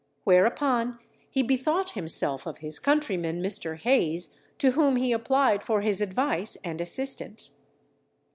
Whereupon he bethought himself of his countryman, Mr. Hayes, to whom he applied for his advice and assistance.